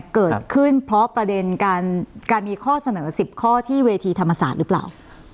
เกิดขึ้นเพราะประเด็นการมีข้อเสนอ๑๐ข้อที่เวทีธรรมศาสตร์หรือเปล่า